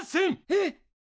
えっ！？